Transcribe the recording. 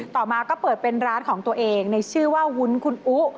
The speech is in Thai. ต่อมาก็เปิดเป็นร้านของตัวเองในชื่อว่าวุ้นคุณอุ